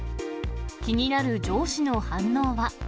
気になる上司の反応は。